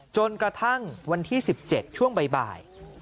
จนกระทั่งวันที่๑๗ช่วงบ่าย